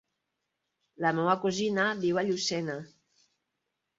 La meva cosina viu a Llucena.